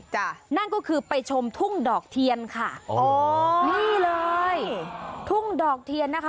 นั่นก็คือไปชมทุ่งดอกเทียนค่ะอ๋อนี่เลยทุ่งดอกเทียนนะคะ